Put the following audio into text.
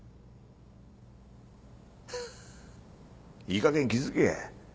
いいかげん気付け。